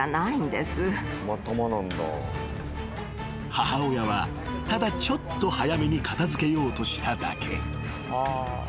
［母親はただちょっと早めに片付けようとしただけ］